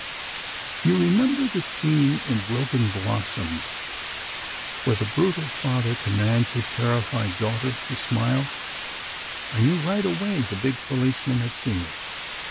"You remember the scene in 'Broken Blossoms,' where the brutal father commands his terrified daughter to smile. I knew right away the big policeman had seen it.